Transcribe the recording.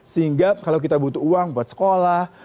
sehingga kalau kita butuh uang buat sekolah